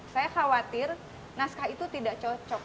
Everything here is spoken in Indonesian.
saya khawatir naskah itu tidak cocok